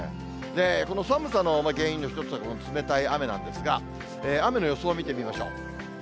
この寒さの原因の一つは、この冷たい雨なんですが、雨の予想を見てみましょう。